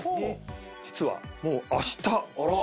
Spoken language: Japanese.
実はもうあした。